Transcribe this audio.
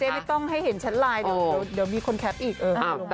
ไม่ต้องให้เห็นชั้นไลน์เดี๋ยวมีคนแคปอีก